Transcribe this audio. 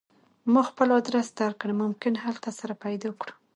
ما خپل ادرس درکړ ممکن هلته سره پیدا کړو